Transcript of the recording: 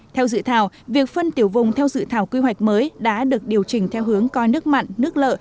theo dự thảo việc phân tiểu vùng theo dự thảo quy hoạch mới đã được điều chỉnh theo hướng coi nước mặn nước lợ